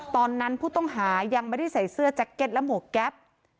ตอนนั้นผู้ต้องหายังไม่ได้ใส่เสื้อแจ็คเก็ตและหมวกแก๊ป